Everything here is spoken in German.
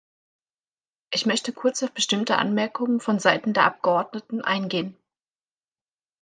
Ich möchte kurz auf bestimmte Anmerkungen von Seiten der Abgeordneten eingehen.